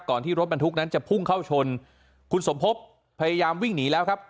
ที่รถบรรทุกนั้นจะพุ่งเข้าชนคุณสมภพพยายามวิ่งหนีแล้วครับ